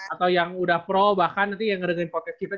atau yang udah pro bahkan nanti yang ngerengin proyekifnya